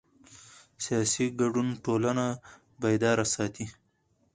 سیاسي ګډون ټولنه بیداره ساتي